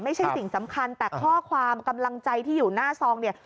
สิ่งสำคัญแต่ข้อความกำลังใจที่อยู่หน้าซองเนี่ย